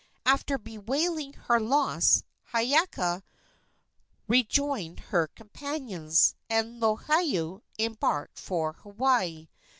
After bewailing her loss Hiiaka rejoined her companions, and Lohiau embarked for Hawaii.